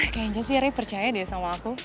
kayaknya sih ri percaya deh sama aku